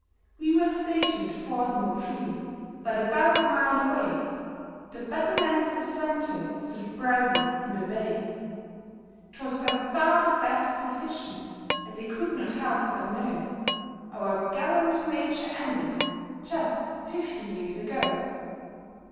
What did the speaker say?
We were stationed at Fort Moultrie — but about a mile away, The battlements of Sumter stood proudly in the bay ; 'Twas by far the best position, as he could not help but know. Our gallant Major Anderson, just fifty years ago.